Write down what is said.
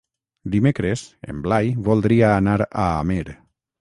Dimecres en Blai voldria anar a Amer.